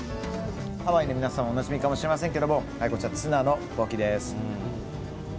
ハワイの皆さんにはおなじみかもしれませんけどこちら、ツナのポキです。